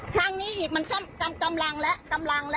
ครั้งนี้อีกมันกำลังแล้ว